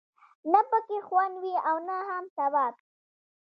نه پکې خوند وي او نه هم ثواب.